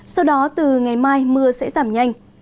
sau đó từ ngày mai mưa sẽ giảm nhanh